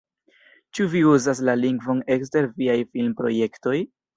Ĉu vi uzas la lingvon ekster viaj filmprojektoj?